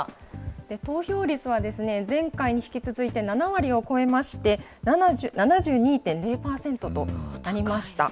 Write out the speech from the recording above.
投票率は前回に引き続いて７割を超えまして、７２．０％となりました。